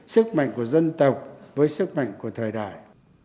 sức mạnh của dân tộc với sức mạnh của thời đại